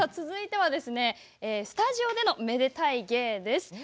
続いてはスタジオでのめでたい芸です。